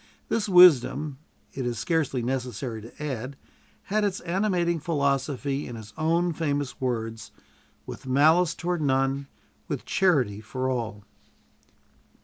This wisdom, it is scarcely necessary to add, had its animating philosophy in his own famous words, "With malice toward none, with charity for all."